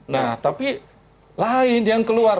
nah tapi lain yang keluar